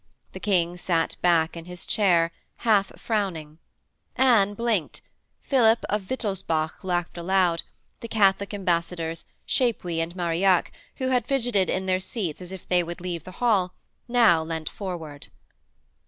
The King sat back in his chair, half frowning; Anne blinked, Philip of Wittelsbach laughed aloud, the Catholic ambassadors, Chapuys and Marillac, who had fidgeted in their seats as if they would leave the hall, now leant forward.